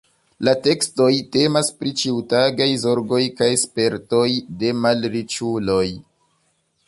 La tekstoj temas pri ĉiutagaj zorgoj kaj spertoj de malriĉuloj.